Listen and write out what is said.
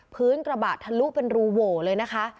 พื้นกระบะทะลุเป็นรูโหวเลยนะคะ